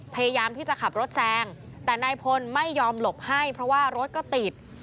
พยายามที่จะขับรถแซงแต่นายพลไม่ยอมหลบให้เพราะว่ารถก็ติด